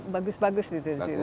bagus bagus di situ